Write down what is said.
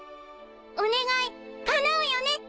お願いかなうよね。